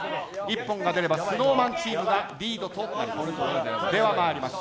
ＩＰＰＯＮが出ればＳｎｏｗＭａｎチームがリードとなります。